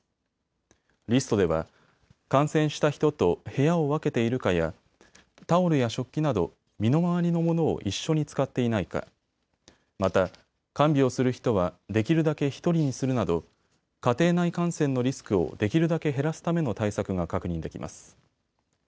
リストでは感染した人と部屋を分けているかやタオルや食器など身の回りのものを一緒に使っていないか、また看病する人はできるだけ１人にするなど家庭内感染のリスクをできるだけ減らすための対策が確認できます。